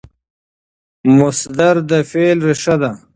مصدر د فعل ریښه ده.